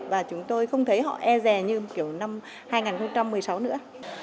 và chúng tôi không thấy họ e rè như kiểu năm hai nghìn một mươi sáu nữa